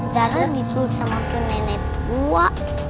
jarang diculik sama aku nenek tua